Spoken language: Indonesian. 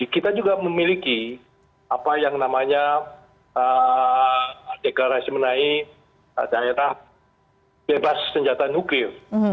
kita juga memiliki apa yang namanya deklarasi menai daerah bebas senjata nuklir